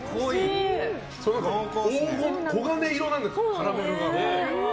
黄金色なんだよね、カラメルが。